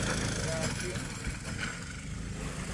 Nka’ kù.